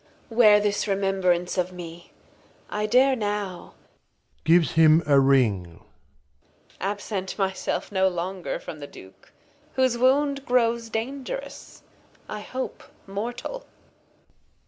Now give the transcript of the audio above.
Wear this Remembrance of me. 1 dare now [Gives him a Ring. Absent my self no longer from the Duke, Whose Wound grows Dangerous, I hope Mortal.